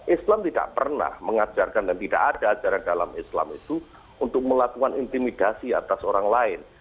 islam tidak pernah mengajarkan dan tidak ada ajaran dalam islam itu untuk melakukan intimidasi atas orang lain